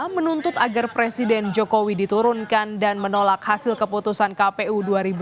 menuntut agar presiden jokowi diturunkan dan menolak hasil keputusan kpu dua ribu dua puluh